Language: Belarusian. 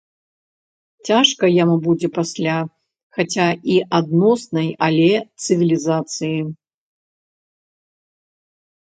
Цяжка яму будзе пасля, хаця і адноснай, але цывілізацыі.